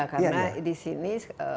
karena di sini